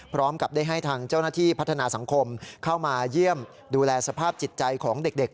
พร้อมกับได้ให้ทางเจ้าหน้าที่พัฒนาสังคมเข้ามาเยี่ยมดูแลสภาพจิตใจของเด็ก